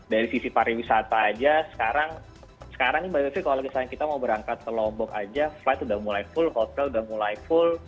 dari sisi pariwisata aja sekarang nih mbak devi kalau misalnya kita mau berangkat ke lombok aja flight udah mulai full hotel udah mulai full